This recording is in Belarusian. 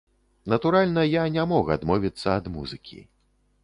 Натуральна, я не мог адмовіцца ад музыкі.